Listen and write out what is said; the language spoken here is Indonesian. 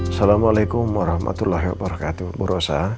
assalamualaikum warahmatullahi wabarakatuh bu rosa